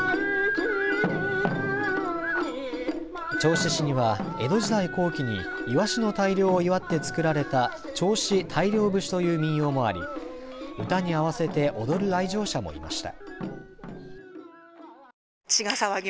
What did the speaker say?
銚子市には江戸時代後期にいわしの大漁を祝って作られた銚子大漁節という民謡もあり歌に合わせて踊る来場者もいました。